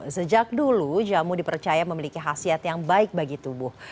sejak dulu jamu dipercaya memiliki khasiat yang baik bagi tubuh